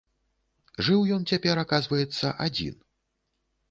Жыў ён цяпер, аказваецца, адзін.